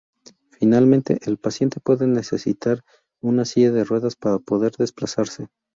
Finalmente el paciente puede necesitar una silla de ruedas para poder desplazarse.